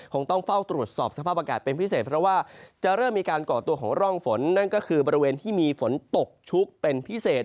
คงต้องเฝ้าตรวจสอบสภาพอากาศเป็นพิเศษเพราะว่าจะเริ่มมีการก่อตัวของร่องฝนนั่นก็คือบริเวณที่มีฝนตกชุกเป็นพิเศษ